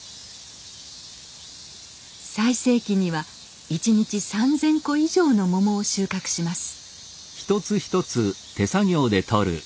最盛期には１日３，０００個以上のモモを収穫します。